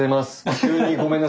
急にごめんなさい。